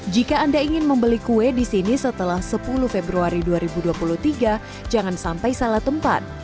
jika anda ingin membeli kue di sini setelah sepuluh februari dua ribu dua puluh tiga jangan sampai salah tempat